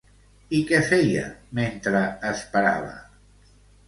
I què feia, mentre esperava?